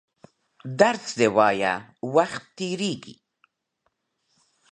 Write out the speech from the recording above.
درس دي وایه وخت تېرېږي!